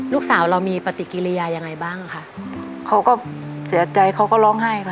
ลูกสาวเรามีปฏิกิริยายังไงบ้างค่ะเขาก็เสียใจเขาก็ร้องไห้ค่ะ